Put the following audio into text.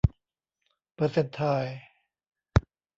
เปอร์เซ็นต์ไทล์